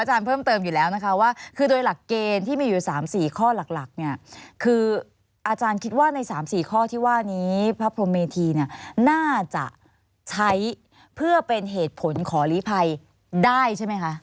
เพิ่มเติมอยู่แล้วนะคะว่าคือโดยหลักเกณฑ์ที่มีอยู่๓๔ข้อหลักเนี่ยคืออาจารย์คิดว่าใน๓๔ข้อที่ว่านี้พระพรมเมธีเนี่ยน่าจะใช้เพื่อเป็นเหตุผลขอลีภัยได้ใช่ไหมคะ